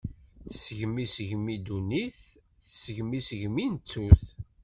Tesgem isegmi dunnit, tesgem isegmi n ttut.